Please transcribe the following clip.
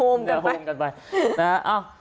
โฮมกันไปทุบ